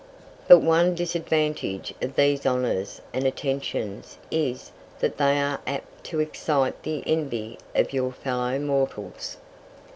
But one disadvantage of these honours and attentions is that they are apt to excite the envy of your fellow mortals.